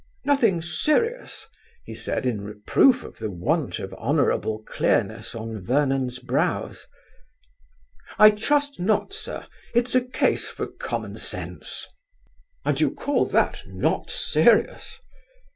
"Nothing serious?" he said in reproof of the want of honourable clearness on Vernon's brows. "I trust not, sir; it's a case for common sense." "And you call that not serious?"